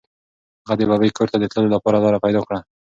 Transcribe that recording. هغه د ببۍ کور ته د تللو لپاره لاره پیدا کړه.